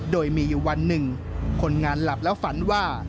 โดยมีอยู่วันหนึ่งคนงานหลับแล้วฝันว่า